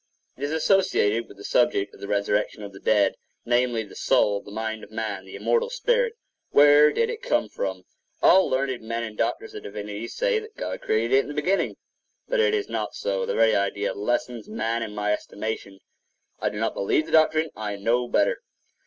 It is associated with the subject of the resurrection of the dead,—namely, the soul—the mind of man—the immortal spirit.7 Where did it come from? All learned men and doctors of divinity say that God created it in the beginning; but it is not so: the very idea lessens man in my estimation. I do not believe the doctrine; I know better.